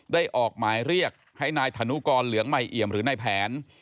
ออกหมายเรียกให้นายธนุกรเหลืองใหม่เอี่ยมหรือนายแผน